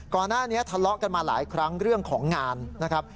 ก่อนหน้านี้ทะเลาะกันมาหลายครั้งเรื่องของงานนะครับ